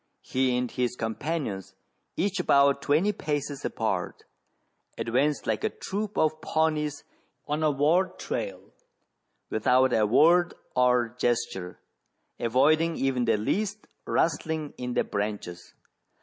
He and his companions, each about twenty paces apart, advanced like a troop of Pawnies on a war trail, without a word or gesture, avoiding even the least rustling in the branches.